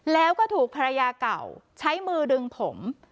แล้วก็ถูกภรรยาเก่าใช้มือดึงผม